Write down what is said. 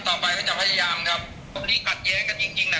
ต่อไปก็จะพยายามครับตรงนี้ขัดแย้งกันจริงจริงน่ะ